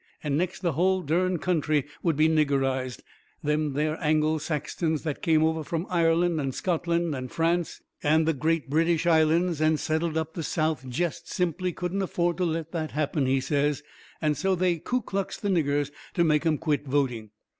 And next the hull dern country would be niggerized. Them there Angle Saxtons, that come over from Ireland and Scotland and France and the Great British Islands and settled up the South jest simply couldn't afford to let that happen, he says, and so they Ku Kluxed the niggers to make 'em quit voting.